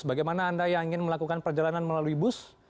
bagaimana anda yang ingin melakukan perjalanan melalui bus